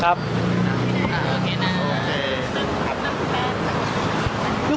ครับแล้วคุณแม่น